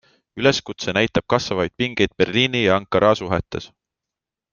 Üleskutse näitab kasvavaid pingeid Berliini ja Ankara suhetes.